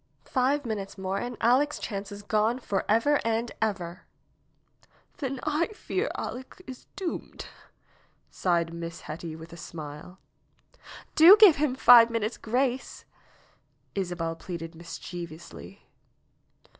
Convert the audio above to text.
Five minutes more and Aleck's chance is gone forever and ever !" ^'Then I fear Aleck is doomed!" sighed Miss Hetty with a smile. ''Do give him five minutes' grace!" Isabel pleaded mischievously.